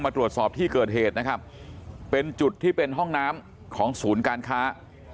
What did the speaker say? ตรวจสอบที่เกิดเหตุนะครับเป็นจุดที่เป็นห้องน้ำของศูนย์การค้า